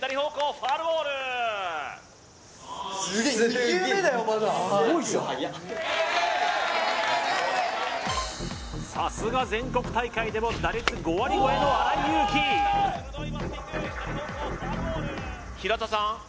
ファウルボールすげえすごいじゃんさすが全国大会でも打率５割超えの荒井優聖平田さん